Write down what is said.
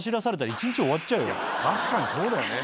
確かにそうだよね。